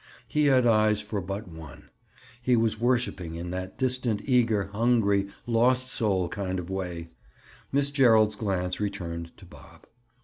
He had eyes for but one. He was worshiping in that distant, eager, hungry, lost soul kind of a way. Miss Gerald's glance returned to Bob.